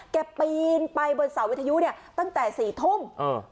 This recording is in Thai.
ปีนไปบนเสาวิทยุเนี่ยตั้งแต่สี่ทุ่มเออ